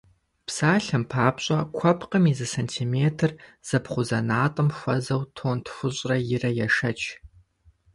Псалъэм папщӏэ, куэпкъым и зы сантиметр зэбгъузэнатӏэм хуэзэу тонн тхущӏрэ ирэ ешэч!